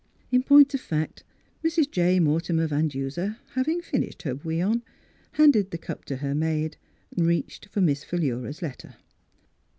In point of fact Mrs. J. Mortimer Van Duser, having finished her bouillon, handed the cup to her maid, reached for Miss Philura's letter.